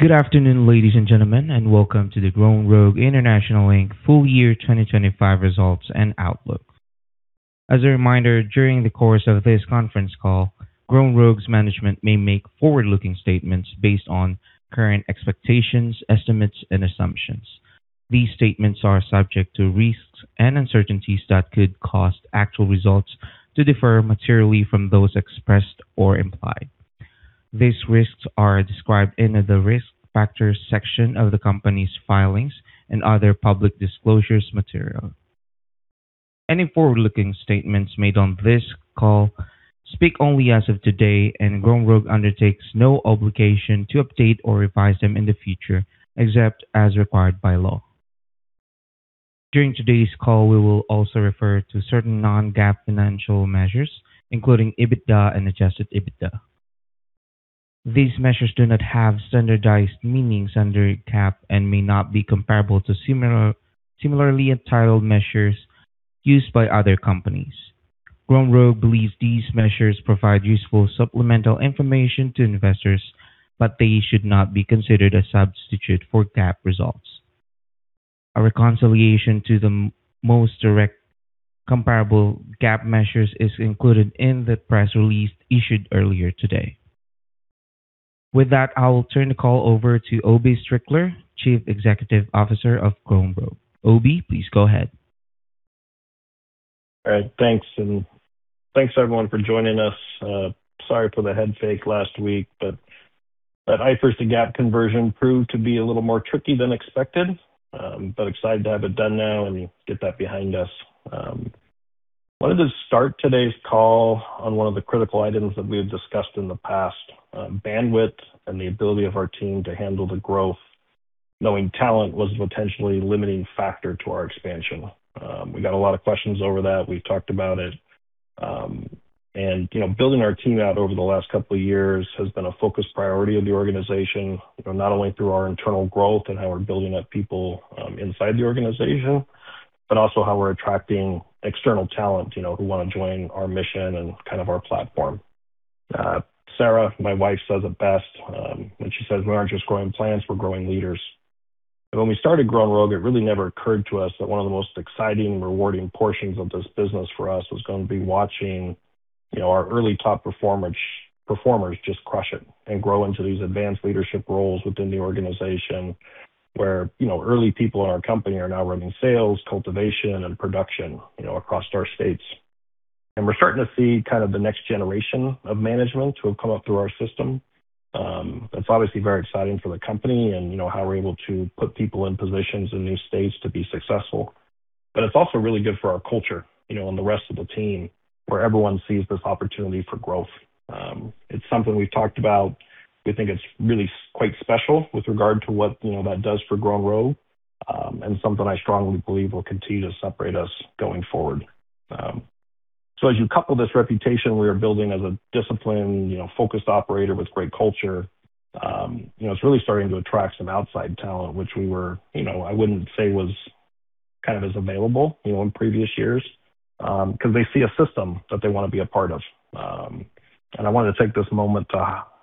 Good afternoon, ladies and gentlemen, and welcome to the Grown Rogue International Inc. full year 2025 results and outlook. As a reminder, during the course of this conference call, Grown Rogue's management may make forward-looking statements based on current expectations, estimates, and assumptions. These statements are subject to risks and uncertainties that could cause actual results to differ materially from those expressed or implied. These risks are described in the Risk Factors section of the company's filings and other public disclosure materials. Any forward-looking statements made on this call speak only as of today, and Grown Rogue undertakes no obligation to update or revise them in the future, except as required by law. During today's call, we will also refer to certain non-GAAP financial measures, including EBITDA and adjusted EBITDA. These measures do not have standardized meanings under GAAP and may not be comparable to similarly entitled measures used by other companies. Grown Rogue believes these measures provide useful supplemental information to investors, but they should not be considered a substitute for GAAP results. A reconciliation to the most direct comparable GAAP measures is included in the press release issued earlier today. With that, I will turn the call over to Obie Strickler, Chief Executive Officer of Grown Rogue. Obie, please go ahead. All right. Thanks, and thanks, everyone, for joining us. Sorry for the head fake last week, but that IFRS to GAAP conversion proved to be a little more tricky than expected. Excited to have it done now and get that behind us. Wanted to start today's call on one of the critical items that we have discussed in the past, bandwidth and the ability of our team to handle the growth, knowing talent was a potentially limiting factor to our expansion. We got a lot of questions over that. We've talked about it. Building our team out over the last couple of years has been a focus priority of the organization, not only through our internal growth and how we're building up people inside the organization, but also how we're attracting external talent who want to join our mission and kind of our platform. Sarah, my wife, says it best, when she says, "We aren't just growing plants, we're growing leaders." When we started Grown Rogue, it really never occurred to us that one of the most exciting, rewarding portions of this business for us was going to be watching our early top performers just crush it and grow into these advanced leadership roles within the organization where early people in our company are now running sales, cultivation, and production across our states. We're starting to see kind of the next generation of management who have come up through our system. It's obviously very exciting for the company and how we're able to put people in positions in new states to be successful. It's also really good for our culture and the rest of the team, where everyone sees this opportunity for growth. It's something we've talked about. We think it's really quite special with regard to what that does for Grown Rogue, and something I strongly believe will continue to separate us going forward. As you couple this reputation we are building as a disciplined, focused operator with great culture, it's really starting to attract some outside talent, which we were, I wouldn't say was kind of as available in previous years, because they see a system that they want to be a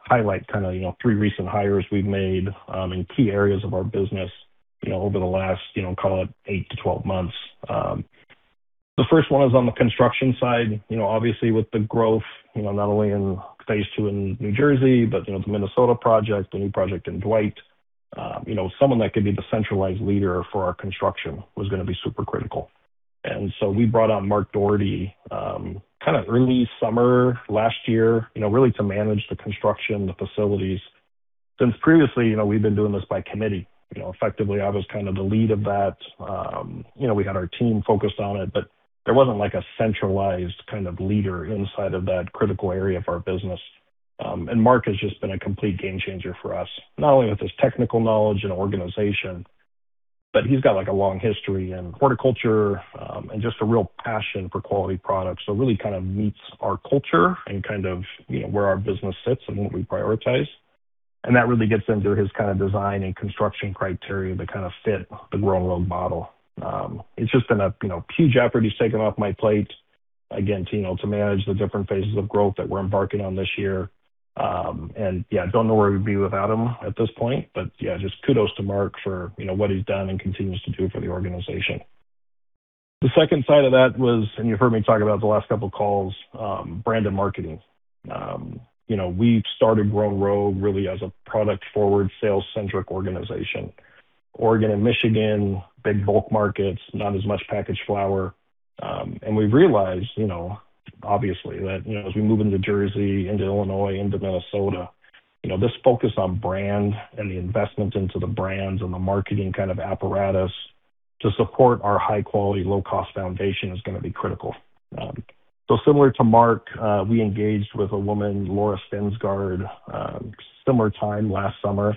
part of. I wanted to take this moment to highlight 3 recent hires we've made in key areas of our business over the last call it 8-12 months. The first one is on the construction side. Obviously, with the growth, not only in phase two in New Jersey, but the Minnesota project, the new project in Dwight. Someone that can be the centralized leader for our construction was going to be super critical. We brought on Mark Dougherty early summer last year, really to manage the construction, the facilities. Since previously, we've been doing this by committee. Effectively, I was kind of the lead of that. We had our team focused on it, but there wasn't a centralized kind of leader inside of that critical area of our business. Mark has just been a complete game changer for us, not only with his technical knowledge and organization, but he's got a long history in horticulture, and just a real passion for quality products. Really kind of meets our culture and kind of where our business sits and what we prioritize. That really gets into his kind of design and construction criteria to kind of fit the Grown Rogue model. It's just been a huge effort he's taken off my plate, again, to manage the different phases of growth that we're embarking on this year. Yeah, don't know where we'd be without him at this point. Yeah, just kudos to Mark for what he's done and continues to do for the organization. The second side of that was, and you've heard me talk about the last couple of calls, brand and marketing. We've started Grown Rogue really as a product-forward, sales-centric organization. Oregon and Michigan, big bulk markets, not as much packaged flower. We've realized, obviously, that as we move into Jersey, into Illinois, into Minnesota, this focus on brand and the investment into the brands and the marketing kind of apparatus to support our high-quality, low-cost foundation is going to be critical. Similar to Mark, we engaged with a woman, Laura Stensgaard, similar time last summer,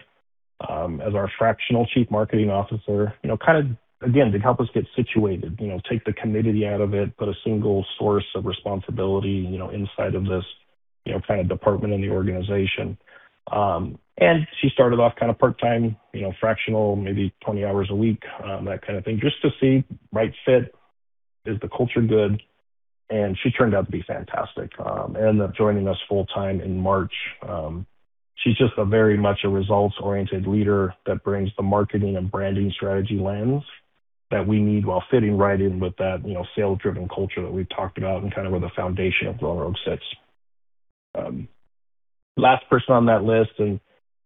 as our Fractional Chief Marketing Officer, kind of, again, to help us get situated, take the committee out of it, put a single source of responsibility inside of this kind of department in the organization. She started off kind of part-time, fractional, maybe 20 hours a week, that kind of thing, just to see right fit. Is the culture good? She turned out to be fantastic. Ended up joining us full-time in March. She's just a very much a results-oriented leader that brings the marketing and branding strategy lens that we need while fitting right in with that sales-driven culture that we've talked about and where the foundation of Grown Rogue sits. Last person on that list, and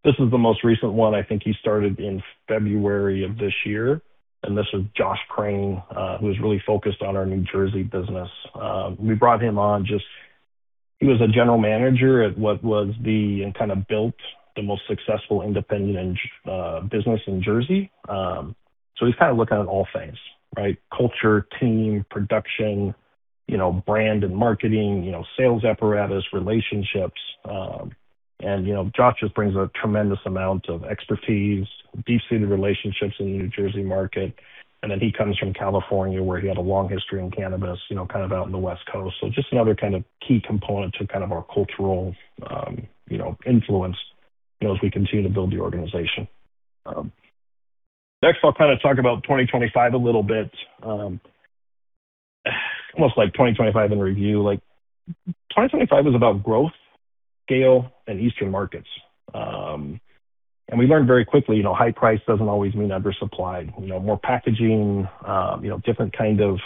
this is the most recent one. I think he started in February of this year, and this is Josh Rosen, who's really focused on our New Jersey business. We brought him on. Built the most successful independent business in Jersey. He's looking at all things, right? Culture, team, production, brand and marketing, sales apparatus, relationships. Josh just brings a tremendous amount of expertise, deep-seated relationships in the New Jersey market. He comes from California, where he had a long history in cannabis, out in the West Coast. Just another key component to our cultural influence as we continue to build the organization. Next, I'll talk about 2025 a little bit. Almost like 2025 in review. 2025 is about growth, scale, and Eastern markets. We learned very quickly, high price doesn't always mean oversupply. More packaging, different kind of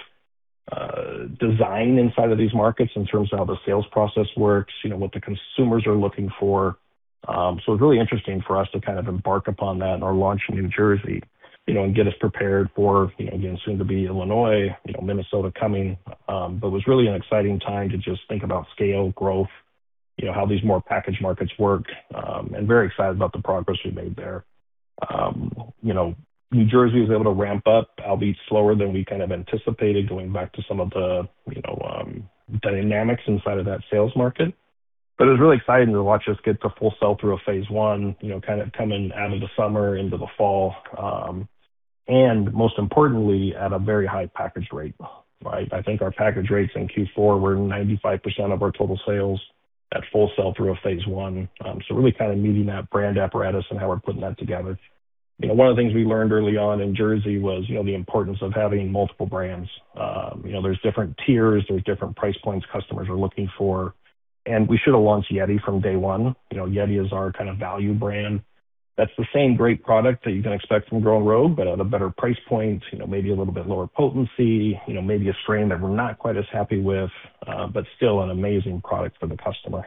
design inside of these markets in terms of how the sales process works, what the consumers are looking for. It's really interesting for us to embark upon that in our launch in New Jersey, and get us prepared for, again, soon to be Illinois, Minnesota coming. It was really an exciting time to just think about scale, growth, how these more packaged markets work, and very excited about the progress we made there. New Jersey was able to ramp up, albeit slower than we anticipated, going back to some of the dynamics inside of that sales market. It was really exciting to watch us get to full sell-through of phase one, coming out of the summer into the fall. Most importantly, at a very high package rate, right? I think our package rates in Q4 were 95% of our total sales at full sell-through of phase one. Really meeting that brand aspirations and how we're putting that together. One of the things we learned early on in Jersey was the importance of having multiple brands. There's different tiers, there's different price points customers are looking for. We should have launched Yeti from day one. Yeti is our value brand. That's the same great product that you can expect from Grown Rogue, but at a better price point, maybe a little bit lower potency, maybe a strain that we're not quite as happy with, but still an amazing product for the customer.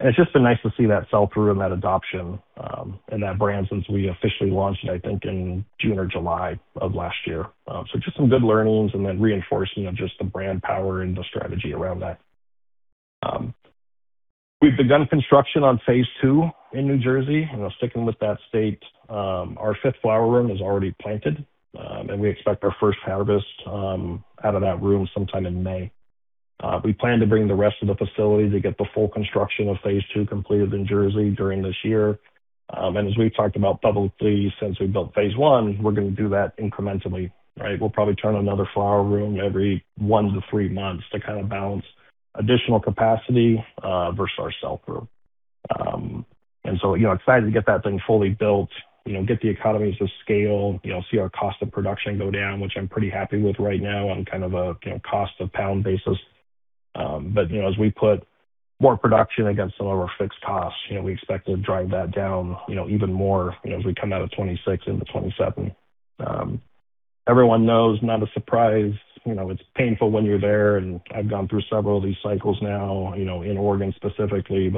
It's just been nice to see that sell-through and that adoption in that brand since we officially launched, I think, in June or July of last year. Just some good learnings and then reinforcement of just the brand power and the strategy around that. We've begun construction on phase two in New Jersey, sticking with that state. Our fifth flower room is already planted, and we expect our first harvest out of that room sometime in May. We plan to bring the rest of the facility to get the full construction of phase two completed in Jersey during this year. As we've talked about publicly since we built phase one, we're going to do that incrementally, right? We'll probably turn another flower room every one to three months to balance additional capacity versus our sell-through. I'm excited to get that thing fully built, get the economies of scale, see our cost of production go down, which I'm pretty happy with right now on a cost of pound basis. As we put more production against some of our fixed costs, we expect to drive that down even more as we come out of 2026 into 2027. Everyone knows, not a surprise, it's painful when you're there, and I've gone through several of these cycles now in Oregon specifically.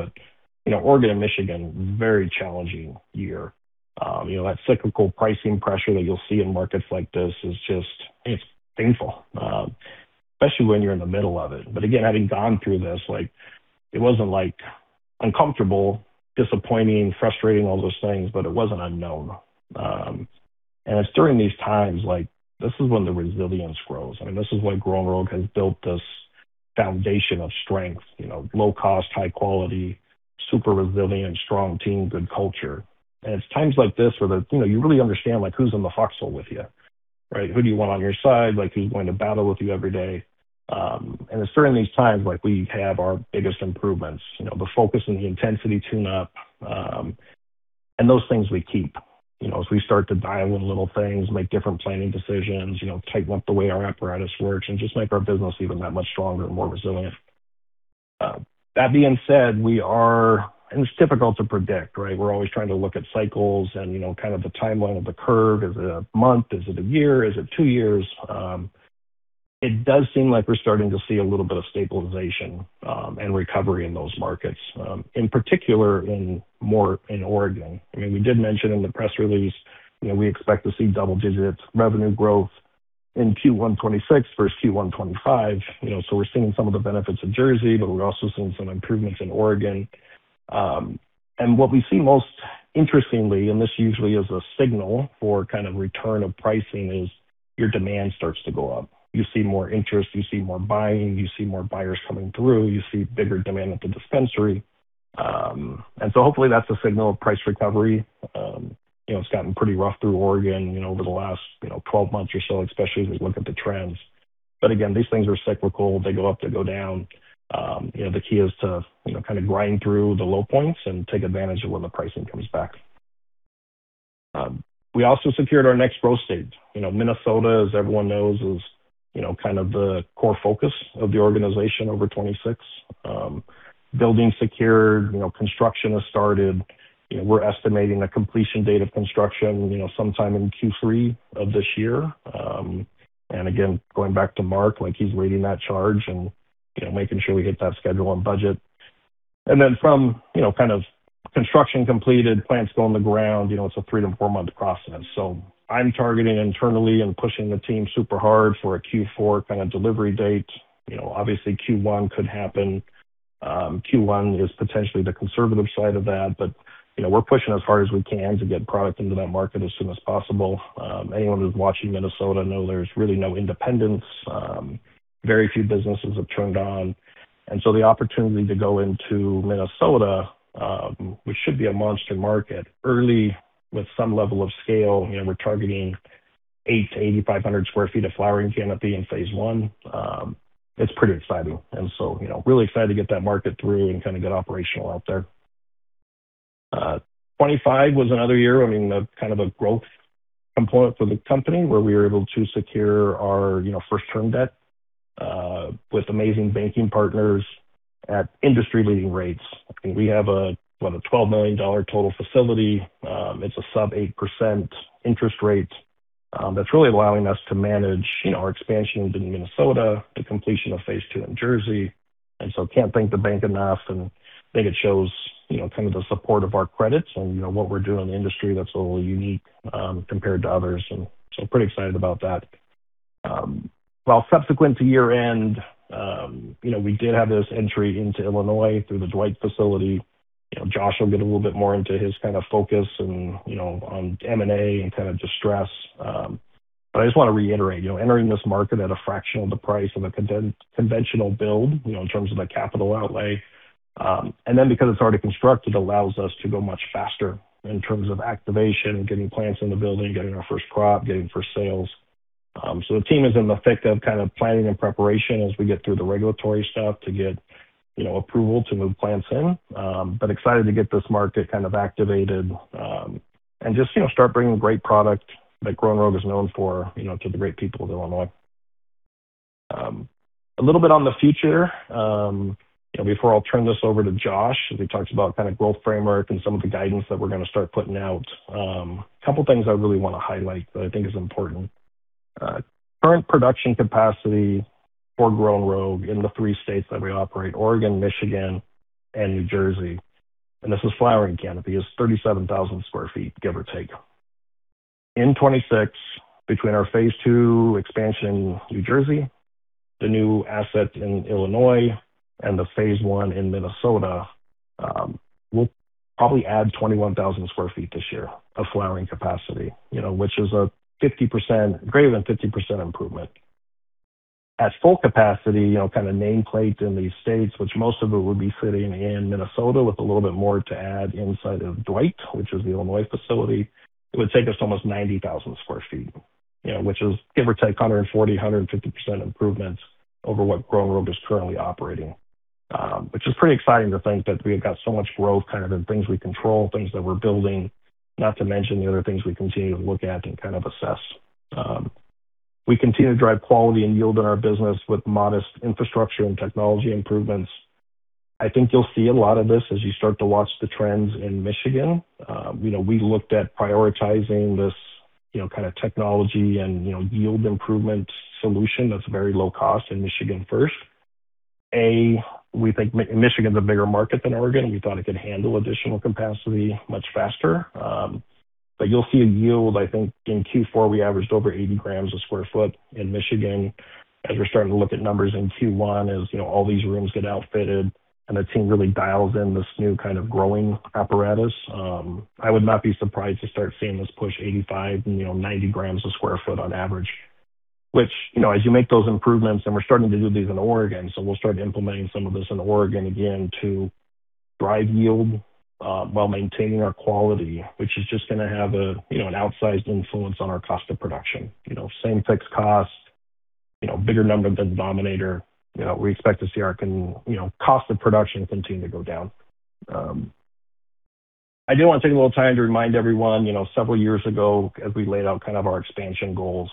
Oregon and Michigan, very challenging year. That cyclical pricing pressure that you'll see in markets like this is just, it's painful, especially when you're in the middle of it. Again, having gone through this, it was uncomfortable, disappointing, frustrating, all those things, but it wasn't unknown. It's during these times, this is when the resilience grows. This is why Grown Rogue has built this foundation of strength, low cost, high quality, super resilient, strong team, good culture. It's times like this where you really understand who's in the foxhole with you, right? Who do you want on your side? Who's going to battle with you every day? It's during these times we have our biggest improvements. The focus and the intensity tune up, and those things we keep. As we start to dial in little things, make different planning decisions, tighten up the way our apparatus works, and just make our business even that much stronger and more resilient. That being said, it's difficult to predict, right? We're always trying to look at cycles and the timeline of the curve. Is it a month? Is it a year? Is it two years? It does seem like we're starting to see a little bit of stabilization and recovery in those markets. In particular, more in Oregon. We did mention in the press release we expect to see double-digit revenue growth in Q1 2026 versus Q1 2025. We're seeing some of the benefits of Jersey, but we're also seeing some improvements in Oregon. What we see most interestingly, and this usually is a signal for return of pricing, is your demand starts to go up. You see more interest, you see more buying, you see more buyers coming through, you see bigger demand at the dispensary. Hopefully that's a signal of price recovery. It's gotten pretty rough through Oregon over the last 12 months or so, especially as we look at the trends. Again, these things are cyclical. They go up, they go down. The key is to grind through the low points and take advantage of when the pricing comes back. We also secured our next growth state. Minnesota, as everyone knows, is kind of the core focus of the organization over 2026. Building secured, construction has started. We're estimating a completion date of construction, sometime in Q3 of this year. Again, going back to Mark, he's leading that charge and making sure we hit that schedule and budget. Then from kind of construction completed, plants go in the ground, it's a 3-4-month process. I'm targeting internally and pushing the team super hard for a Q4 kind of delivery date. Obviously Q1 could happen. Q1 is potentially the conservative side of that, but we're pushing as hard as we can to get product into that market as soon as possible. Anyone who's watching Minnesota know there's really no independents. Very few businesses have turned on, and so the opportunity to go into Minnesota, which should be a monster market, early with some level of scale. We're targeting 8,000-8,500 sq ft of flowering canopy in phase one. It's pretty exciting. Really excited to get that market through and kind of get operational out there. 2025 was another year, I mean, kind of a growth component for the company where we were able to secure our first-term debt, with amazing banking partners at industry-leading rates. I think we have a $12 million total facility. It's a sub 8% interest rate that's really allowing us to manage our expansions in Minnesota, the completion of phase two in Jersey, and so can't thank the bank enough and think it shows kind of the support of our credits and what we're doing in the industry that's a little unique, compared to others, and so pretty excited about that. While subsequent to year-end, we did have this entry into Illinois through the Dwight facility. Josh will get a little bit more into his kind of focus and on M&A and kind of distress. I just want to reiterate, entering this market at a fraction of the price of a conventional build, in terms of the capital outlay, and then because it's already constructed, allows us to go much faster in terms of activation and getting plants in the building, getting our first crop, getting first sales. The team is in the thick of kind of planning and preparation as we get through the regulatory stuff to get approval to move plants in. I'm excited to get this market kind of activated, and just start bringing great product that Grown Rogue is known for to the great people of Illinois. A little bit on the future, before I'll turn this over to Josh as he talks about kind of growth framework and some of the guidance that we're going to start putting out. Couple things I really want to highlight that I think is important. Current production capacity for Grown Rogue in the three states that we operate, Oregon, Michigan, and New Jersey, and this is flowering canopy, is 37,000 sq ft, give or take. In 2026, between our phase two expansion in New Jersey, the new asset in Illinois, and the phase one in Minnesota, we'll probably add 21,000 sq ft this year of flowering capacity, which is a greater than 50% improvement. At full capacity, kind of nameplate in these states, which most of it would be sitting in Minnesota with a little bit more to add inside of Dwight, which is the Illinois facility, it would take us almost 90,000 sq ft. Which is give or take 140%-150% improvements over what Grown Rogue is currently operating. Which is pretty exciting to think that we have got so much growth kind of in things we control, things that we're building, not to mention the other things we continue to look at and kind of assess. We continue to drive quality and yield in our business with modest infrastructure and technology improvements. I think you'll see a lot of this as you start to watch the trends in Michigan. We looked at prioritizing this kind of technology and yield improvement solution that's very low cost in Michigan first. A, we think Michigan's a bigger market than Oregon. We thought it could handle additional capacity much faster. But you'll see a yield, I think in Q4, we averaged over 80 grams/sq ft in Michigan. As we're starting to look at numbers in Q1, as all these rooms get outfitted and the team really dials in this new kind of growing apparatus. I would not be surprised to start seeing this push 85-90 grams per sq ft on average. Which, as you make those improvements, and we're starting to do these in Oregon, so we'll start implementing some of this in Oregon again to drive yield, while maintaining our quality, which is just going to have an outsized influence on our cost of production. Same fixed cost, bigger number of denominator. We expect to see our cost of production continue to go down. I do want to take a little time to remind everyone, several years ago, as we laid out kind of our expansion goals,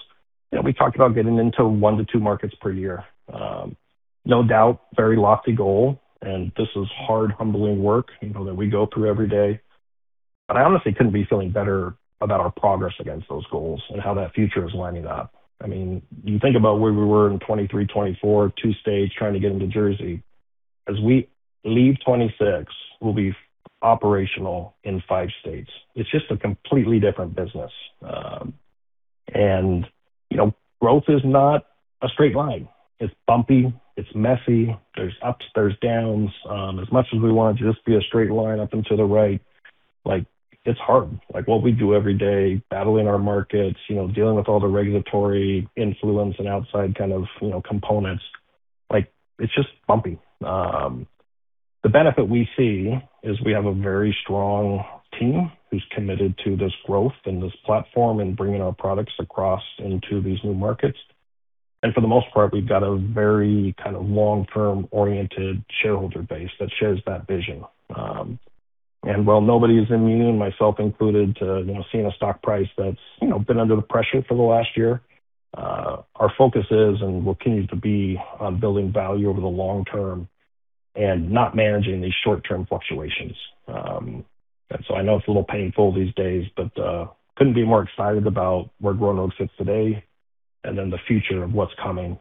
we talked about getting into 1-2 markets per year. No doubt, very lofty goal, and this is hard, humbling work that we go through every day. I honestly couldn't be feeling better about our progress against those goals and how that future is lining up. I mean, you think about where we were in 2023, 2024, 2 states trying to get into Jersey. As we leave 2026, we'll be operational in 5 states. It's just a completely different business. Growth is not a straight line. It's bumpy, it's messy, there's ups, there's downs. As much as we want it to just be a straight line up and to the right, it's hard. What we do every day, battling our markets, dealing with all the regulatory influence and outside kind of components, it's just bumpy. The benefit we see is we have a very strong team who's committed to this growth and this platform and bringing our products across into these new markets. For the most part, we've got a very kind of long-term oriented shareholder base that shares that vision. While nobody is immune, myself included, to seeing a stock price that's been under the pressure for the last year, our focus is and will continue to be on building value over the long term and not managing these short-term fluctuations. I know it's a little painful these days, but couldn't be more excited about where Grown Rogue sits today and then the future of what's coming.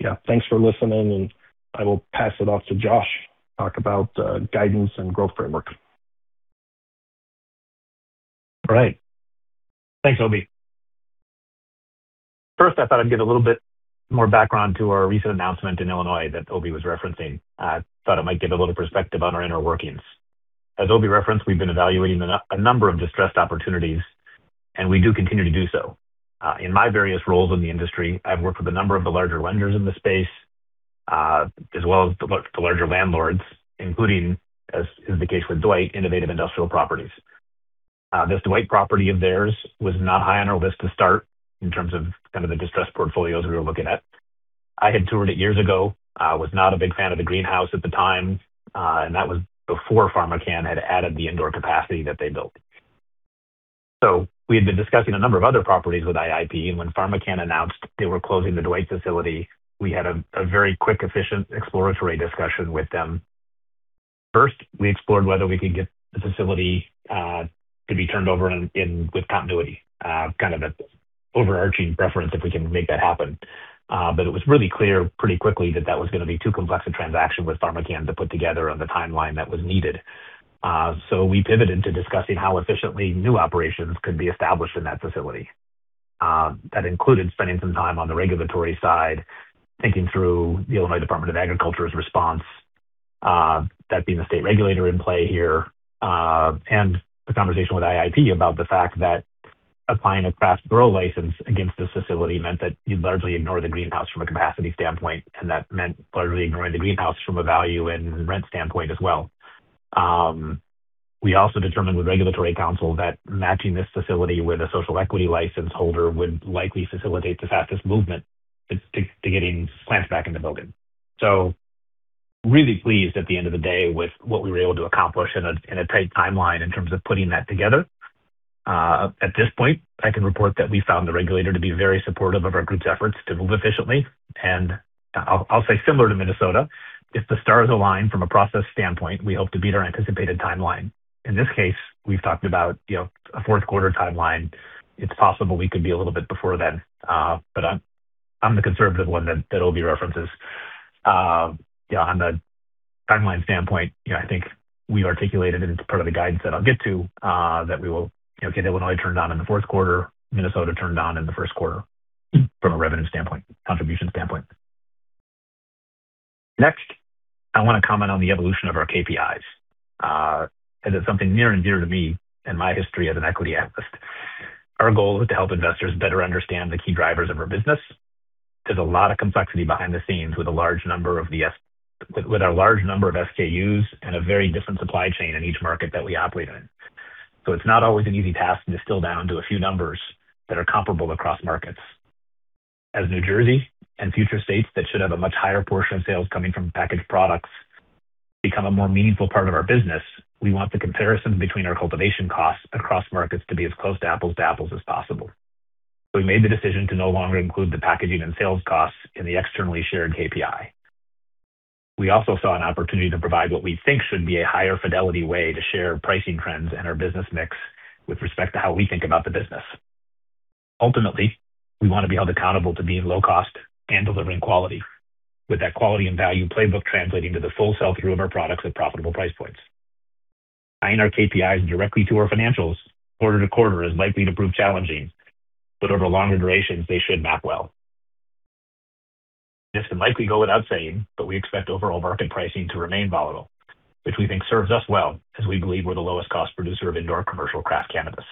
Yeah, thanks for listening, and I will pass it off to Josh to talk about guidance and growth framework. All right. Thanks, Obie. First, I thought I'd give a little bit more background to our recent announcement in Illinois that Obie was referencing. I thought it might give a little perspective on our inner workings. As Obie referenced, we've been evaluating a number of distressed opportunities, and we do continue to do so. In my various roles in the industry, I've worked with a number of the larger lenders in the space, as well as the larger landlords, including, as is the case with Dwight, Innovative Industrial Properties. This Dwight property of theirs was not high on our list to start in terms of the distressed portfolios we were looking at. I had toured it years ago, was not a big fan of the greenhouse at the time, and that was before PharmaCann had added the indoor capacity that they built. We had been discussing a number of other properties with IIPR, and when PharmaCann announced they were closing the Dwight facility, we had a very quick, efficient exploratory discussion with them. First, we explored whether we could get the facility to be turned over with continuity, kind of an overarching preference if we can make that happen. It was really clear pretty quickly that that was going to be too complex a transaction with PharmaCann to put together on the timeline that was needed. We pivoted to discussing how efficiently new operations could be established in that facility. That included spending some time on the regulatory side, thinking through the Illinois Department of Agriculture's response, that being the state regulator in play here, and the conversation with IIPR about the fact that applying a craft grow license against this facility meant that you'd largely ignore the greenhouse from a capacity standpoint, and that meant largely ignoring the greenhouse from a value and rent standpoint as well. We also determined with regulatory counsel that matching this facility with a social equity license holder would likely facilitate the fastest movement to getting plants back in the building. Really pleased at the end of the day with what we were able to accomplish in a tight timeline in terms of putting that together. At this point, I can report that we found the regulator to be very supportive of our group's efforts to move efficiently. I'll say similar to Minnesota, if the stars align from a process standpoint, we hope to beat our anticipated timeline. In this case, we've talked about a fourth quarter timeline. It's possible we could be a little bit before then, but I'm the conservative one that Obie references. On the timeline standpoint, I think we articulated, and it's part of the guidance that I'll get to, that we will get Illinois turned on in the fourth quarter, Minnesota turned on in the first quarter from a revenue standpoint, contribution standpoint. Next, I want to comment on the evolution of our KPIs, as it's something near and dear to me and my history as an equity analyst. Our goal is to help investors better understand the key drivers of our business. There's a lot of complexity behind the scenes with our large number of SKUs and a very different supply chain in each market that we operate in. It's not always an easy task to distill down to a few numbers that are comparable across markets. As New Jersey and future states that should have a much higher portion of sales coming from packaged products become a more meaningful part of our business, we want the comparison between our cultivation costs across markets to be as close to apples-to-apples as possible. We made the decision to no longer include the packaging and sales costs in the externally shared KPI. We also saw an opportunity to provide what we think should be a higher fidelity way to share pricing trends and our business mix with respect to how we think about the business. Ultimately, we want to be held accountable to being low cost and delivering quality, with that quality and value playbook translating to the full sell-through of our products at profitable price points. Tying our KPIs directly to our financials quarter to quarter is likely to prove challenging, but over longer durations, they should map well. This would likely go without saying, but we expect overall market pricing to remain volatile, which we think serves us well as we believe we're the lowest cost producer of indoor commercial craft cannabis.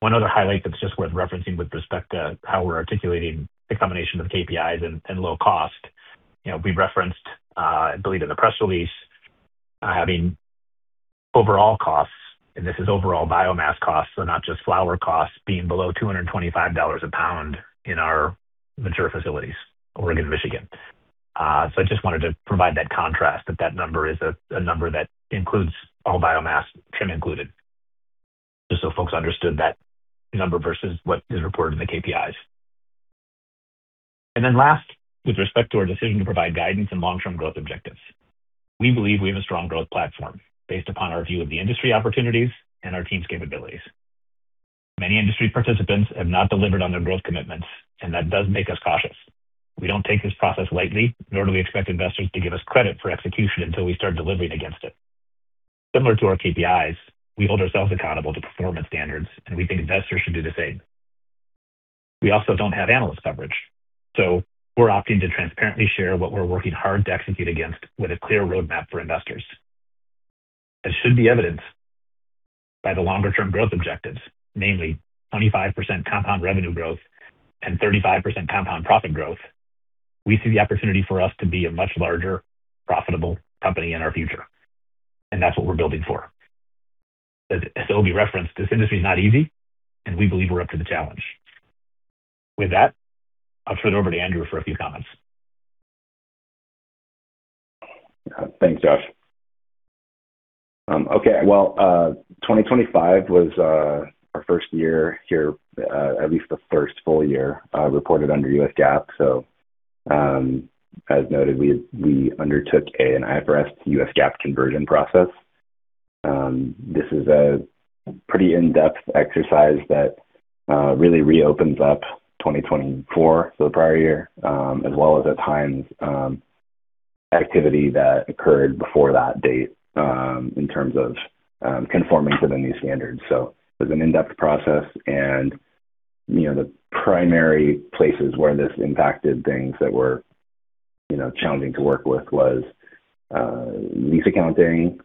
One other highlight that's just worth referencing with respect to how we're articulating the combination of KPIs and low cost, we've referenced, I believe in the press release, having overall costs, and this is overall biomass costs, so not just flower costs, being below $225 a pound in our mature facilities, Oregon and Michigan. I just wanted to provide that contrast, that number is a number that includes all biomass, trim included. Just so folks understood that number versus what is reported in the KPIs. Then last, with respect to our decision to provide guidance and long-term growth objectives, we believe we have a strong growth platform based upon our view of the industry opportunities and our team's capabilities. Many industry participants have not delivered on their growth commitments, and that does make us cautious. We don't take this process lightly, nor do we expect investors to give us credit for execution until we start delivering against it. Similar to our KPIs, we hold ourselves accountable to performance standards, and we think investors should do the same. We also don't have analyst coverage, so we're opting to transparently share what we're working hard to execute against with a clear roadmap for investors. As should be evidenced by the longer-term growth objectives, namely 25% compound revenue growth and 35% compound profit growth, we see the opportunity for us to be a much larger, profitable company in our future, and that's what we're building for. As Obie referenced, this industry is not easy, and we believe we're up to the challenge. With that, I'll turn it over to Andrew for a few comments. Thanks, Josh. Okay. Well, 2025 was our first year here, at least the first full year, reported under U.S. GAAP. As noted, we undertook an IFRS to U.S. GAAP conversion process. This is a pretty in-depth exercise that really reopens up 2024, so the prior year, as well as at times activity that occurred before that date in terms of conforming to the new standards. It was an in-depth process and the primary places where this impacted things that were challenging to work with was lease accounting,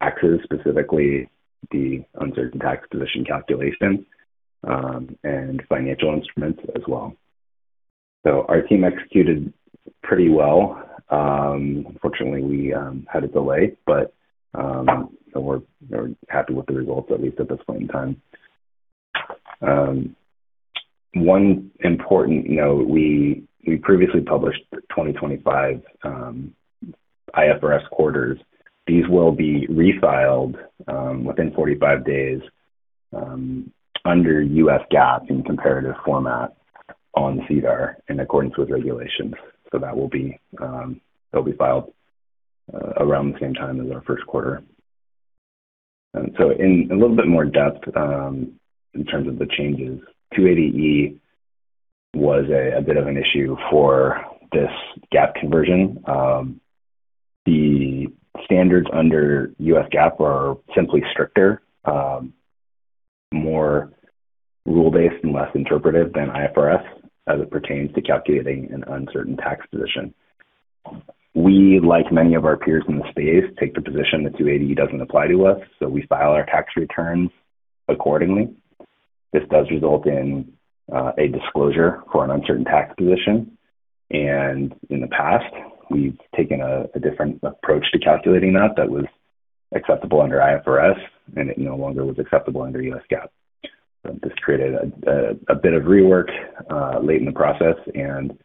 taxes, specifically the uncertain tax position calculation, and financial instruments as well. Our team executed pretty well. Unfortunately, we had a delay, but we're happy with the results, at least at this point in time. One important note, we previously published 2025 IFRS quarters. These will be refiled within 45 days under US GAAP in comparative format on SEDAR in accordance with regulations. That'll be filed around the same time as our first quarter. In a little bit more depth, in terms of the changes, 280E was a bit of an issue for this GAAP conversion. The standards under US GAAP are simply stricter, more rule-based and less interpretive than IFRS as it pertains to calculating an uncertain tax position. We, like many of our peers in the space, take the position that 280E doesn't apply to us, so we file our tax returns accordingly. This does result in a disclosure for an uncertain tax position, and in the past, we've taken a different approach to calculating that was acceptable under IFRS, and it no longer was acceptable under US GAAP. This created a bit of rework late in the process and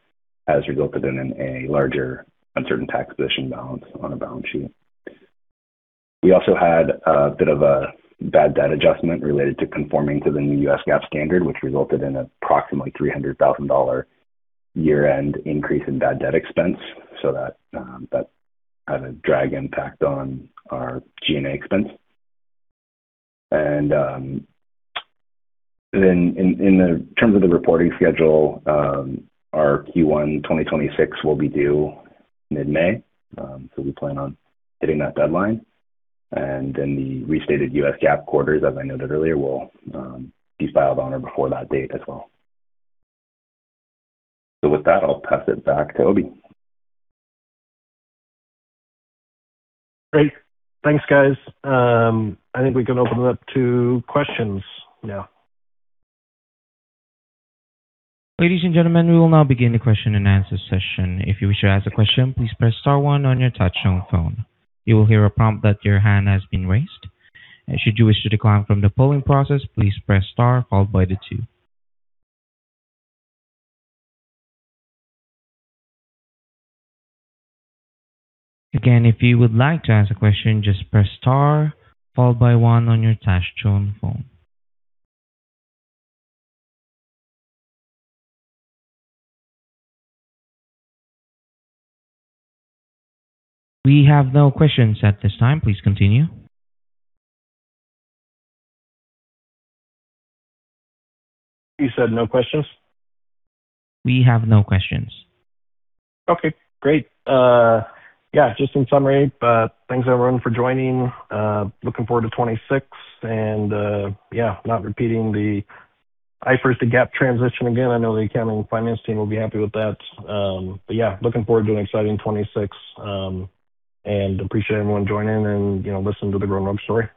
has resulted in a larger uncertain tax position balance on the balance sheet. We also had a bit of a bad debt adjustment related to conforming to the new US GAAP standard, which resulted in approximately $300,000 year-end increase in bad debt expense. That had a drag impact on our G&A expense. Then in terms of the reporting schedule, our Q1 2026 will be due mid-May. We plan on hitting that deadline. Then the restated US GAAP quarters, as I noted earlier, will be filed on or before that date as well. With that, I'll pass it back to Obie. Great. Thanks, guys. I think we can open it up to questions now. Ladies and gentlemen, we will now begin the question and answer session. If you wish to ask a question, please press star one on your touch-tone phone. You will hear a prompt that your hand has been raised. Should you wish to decline from the polling process, please press star followed by the two. Again, if you would like to ask a question, just press star followed by one on your touch-tone phone. We have no questions at this time. Please continue. You said no questions? We have no questions. Okay, great. Yeah, just in summary, thanks everyone for joining. Looking forward to 2026 and, yeah, not repeating the IFRS to GAAP transition again. I know the accounting and finance team will be happy with that. Yeah, looking forward to an exciting 2026, and appreciate everyone joining and listening to the Grown Rogue story.